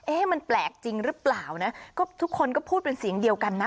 มันแปลกจริงหรือเปล่านะก็ทุกคนก็พูดเป็นเสียงเดียวกันนะ